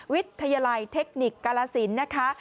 วิทยาลัยเทคนิคกาลสินนะคะ